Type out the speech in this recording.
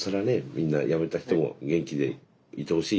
みんな辞めた人も元気でいてほしいよね